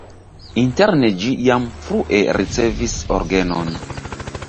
Interne ĝi jam frue ricevis orgenon.